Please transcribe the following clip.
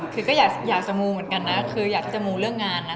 คือก็อยากจะมูเหมือนกันนะคืออยากที่จะมูเรื่องงานนะ